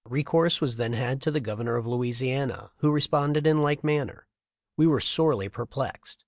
Recourse was then had to the Governor THE LIFE OF LINCOLN. 379 of Louisiana, who responded in like manner. We were sorely perplexed.